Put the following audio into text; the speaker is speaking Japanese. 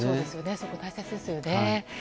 そこ、大切ですよね。